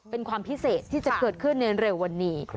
เป็นความพิเศษที่จะเกิดขึ้นในเร็ววันนี้